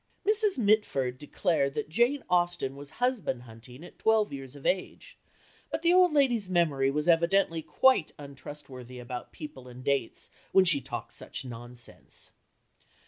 Mrs. Mitford declared that Jane Austen was husband hunting at twelve years of age, but the old lady's memory was evidently quite untrustworthy about people and dates when she talked such nonsense.